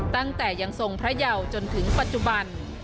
ตั้งแต่ยังทรงพระเยาจนถึงปัจจุบัน